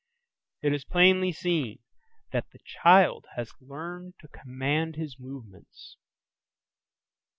It is plainly seen that the child has learned to command his movements.